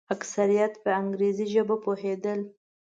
اکثریت په انګریزي ژبه پوهېدل.